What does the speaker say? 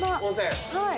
はい！